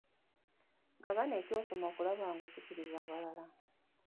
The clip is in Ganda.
Gabana ky'osoma okulaba nga osikiriza abalala.